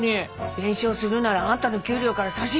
弁償するならあんたの給料から差し引くからね。